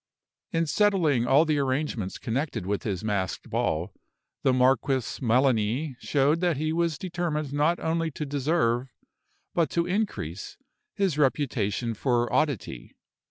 In settling all the arrangements connected with his masked ball, the Marquis Melani showed that he was determined not only to deserve, but to increase, his reputation for oddity.